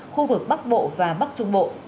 khu vực bắc bộ và bắc trung bộ